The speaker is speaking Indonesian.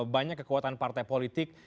banyak kekuatan partai politik